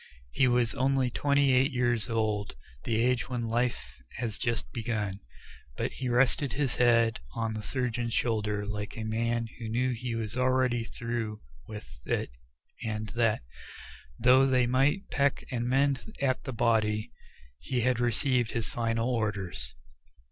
He was only twenty eight years old, the age when life has just begun, but he rested his head on the surgeon's shoulder like a man who knew he was already through with it and that, though they might peck and mend at the body, he had received his final orders.